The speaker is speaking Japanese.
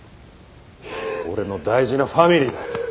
俺の大事なファミリーだよ。